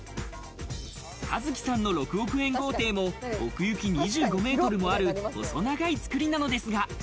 一騎さんの６億円豪邸も奥行き２５メートルもある細長い作りなのですが。